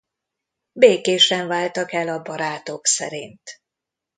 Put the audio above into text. Békésen váltak el a barátok szerint.